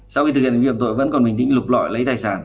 sau khi thực hiện hành vi hợp tội vẫn còn bình tĩnh lục lọi lấy tài sản